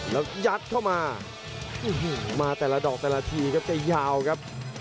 แล้วยัดเข้ามามาแต่ละดอกแต่ละทีครับจะยาวครับ